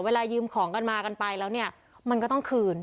เวลายืมของกันมากันไปแล้วเนี่ยมันก็ต้องคืน